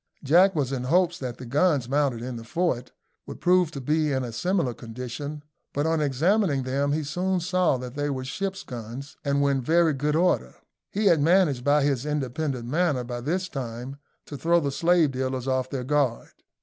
Jack was in hopes that the guns mounted in the fort would prove to be in a similar condition; but on examining them he soon saw that they were ship's guns, and were in very good order. He had managed by his independent manner, by this time, to throw the slave dealers off their guard.